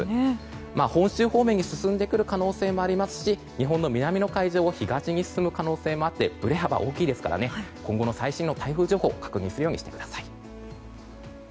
本州方面に進んでくる可能性もありますし日本の南の海上を東に進む可能性もあって振れ幅が大きいですから今後の最新の台風情報を確認するようにしてください。